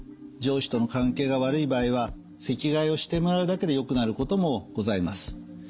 上司との関係が悪い場合は席替えをしてもらうだけでよくなることもございます。